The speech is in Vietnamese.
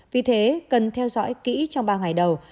vì thế cần theo dõi kỹ trong ba ngày đầu